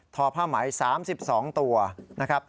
อผ้าไหม๓๒ตัวนะครับ